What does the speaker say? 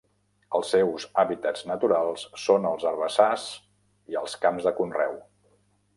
Els seus hàbitats naturals són els herbassars i els camps de conreu.